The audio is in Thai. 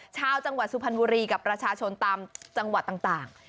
ชาวจังหวัดสุพรรณบุรีกับประชาชนตามจังหวัดต่าง